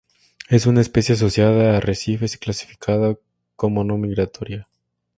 Es una especie asociada a arrecifes y clasificada como no migratoria.